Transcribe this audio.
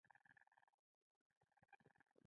ښوروا د شګوړو خوړو لپاره مقدمه ده.